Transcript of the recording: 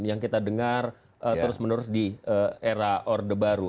yang kita dengar terus menerus di era orde baru